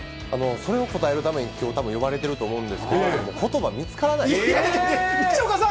それを答えるために、きょう、たぶん呼ばれていると思うんですけれども、ことば見つからないでえー！